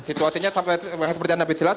situasinya sampai seperti anda bisa lihat